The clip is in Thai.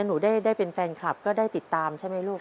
หนูได้เป็นแฟนคลับก็ได้ติดตามใช่ไหมลูก